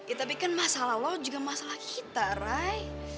ya tapi kan masalah lo juga masalah kita rai